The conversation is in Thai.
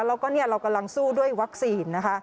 แล้วก็เรากำลังสู้ด้วยวัคซีนนะคะ